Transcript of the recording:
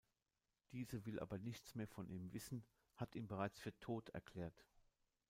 Diese will aber nichts mehr von ihm wissen, hat ihn bereits für „tot“ erklärt.